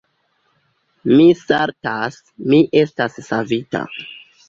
Mi saltas: mi estas savita.